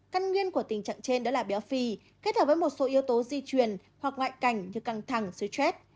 căn nguyên của tình trạng trên đó là béo phì kết hợp với một số yếu tố di truyền hoặc ngoại cảnh như căng thẳng dưới trét